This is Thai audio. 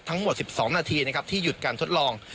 ทั้งหมด๑๒นาทีนะครับที่หยุดการทดลอง